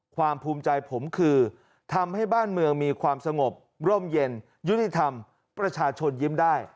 ภูมิใจผมคือทำให้บ้านเมืองมีความสงบร่มเย็นยุติธรรมประชาชนยิ้มได้